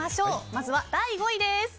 まずは第５位です。